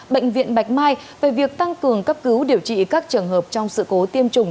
bệnh viện bạch mai về việc tăng cường cấp cứu điều trị các trường hợp trong sự cố tiêm chủng